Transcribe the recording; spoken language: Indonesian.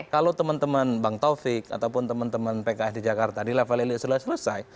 kalau teman teman bang taufik ataupun teman teman pks di jakarta di level elit sudah selesai